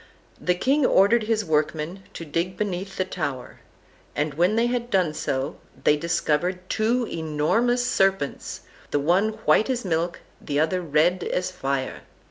The king ordered his workmen to dig beneath the tower, and when they had done so they discovered two enormous serpents, the one white as milk the other red as fire.